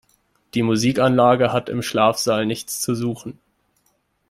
Die Musikanlage hat im Schlafsaal nichts zu suchen.